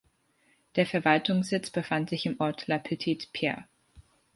Der Verwaltungssitz befand sich im Ort La Petite-Pierre.